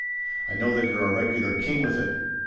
I know that you're a regular king with it."